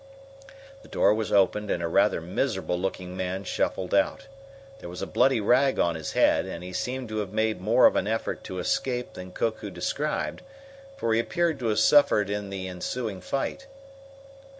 The door was opened and a rather miserable looking man shuffled out. There was a bloody rag on his head, and he seemed to have made more of an effort to escape than Koku described, for he appeared to have suffered in the ensuing fight.